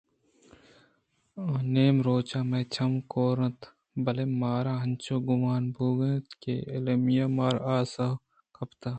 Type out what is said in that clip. آنیم روچ ءَ مئے چم کور اِت اَنت بلئے مارا انچوش گُمان بوئگ ءَ اَت کہ ایمیلیا مہرے آس ءَ کپتگ